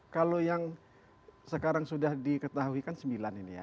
kalau yang sekarang sudah diketahui kan sembilan ini ya